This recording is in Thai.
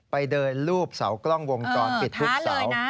ไปเดินลูบเสากล้องวงจรปิดทุกเสา